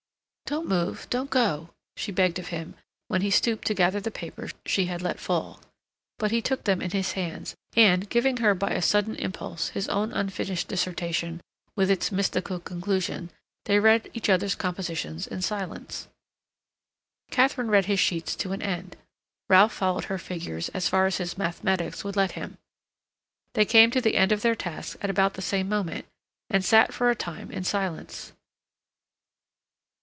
"Don't move, don't go," she begged of him, when he stooped to gather the papers she had let fall. But he took them in his hands and, giving her by a sudden impulse his own unfinished dissertation, with its mystical conclusion, they read each other's compositions in silence. Katharine read his sheets to an end; Ralph followed her figures as far as his mathematics would let him. They came to the end of their tasks at about the same moment, and sat for a time in silence.